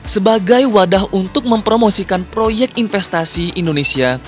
sebagai wadah untuk mempromosikan proyek investasi indonesia